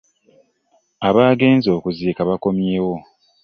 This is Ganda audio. Abaagenze okuziika bakomyeewo.